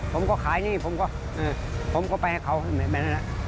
ผมก็ขายนี่ผมก็ไปให้เขาไม่เป็นไรนะ